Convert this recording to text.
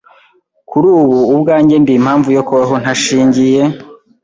Kuri ubu, ubwanjye ndi impamvu yo kubaho nta shingiye